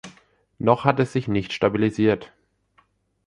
Noch hat es sich nicht stabilisiert.